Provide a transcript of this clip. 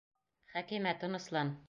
Хәкимә, тыныслан.